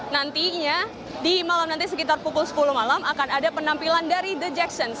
nantinya di malam nanti sekitar pukul sepuluh malam akan ada penampilan dari the jackson